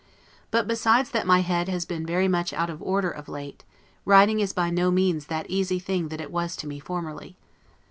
But, besides that my head has been very much out of order of late, writing is by no means that easy thing that it was to me formerly.